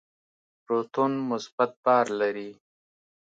پروتون مثبت بار لري.